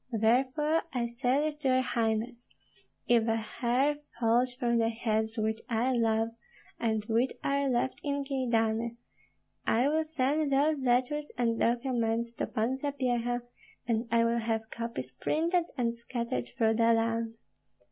Therefore I say this to your highness: If a hair falls from the heads which I love and which are left in Kyedani, I will send those letters and documents to Pan Sapyeha, and I will have copies printed and scattered through the land.